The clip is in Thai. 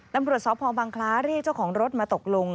ตำรวจสพบังคล้าเรียกเจ้าของรถมาตกลง